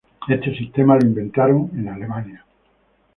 Este sistema lo inventaron en Alemania.